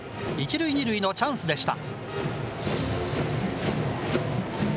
１塁２塁のチャンスでした。